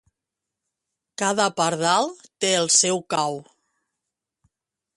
Cada pardal té el seu cau.